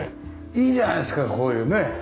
いいじゃないですかこういうね。